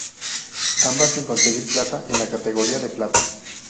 Ambas sin conseguir plaza en la categoría de plata.